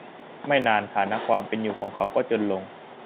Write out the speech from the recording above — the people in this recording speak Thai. ไม่นานฐานะความเป็นอยู่ของเขาก็จนลง